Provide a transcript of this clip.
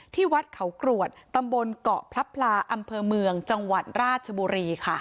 ที่วัดเขากรวดตำบลเกาะพลับพลาอำเภอเมืองจังหวัดราชบุรีค่ะ